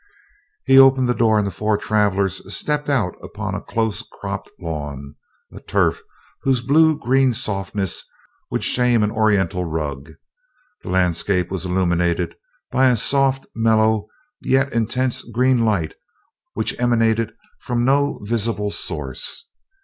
He opened the door and the four travelers stepped out upon a close cropped lawn a turf whose blue green softness would shame an Oriental rug. The landscape was illuminated by a soft and mellow, yet intense green light which emanated from no visible source.